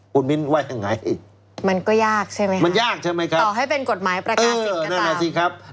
คุณมิ้นไว้อย่างไรมันยากใช่ไหมครับต่อให้เป็นกฎหมายประกาศสิ่งกันตาม